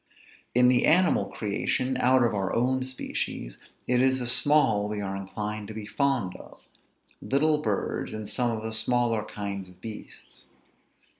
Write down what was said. In the animal creation, out of our own species, it is the small we are inclined to be fond of; little birds, and some of the smaller kinds of beasts.